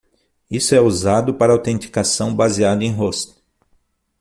Isso é usado para autenticação baseada em host.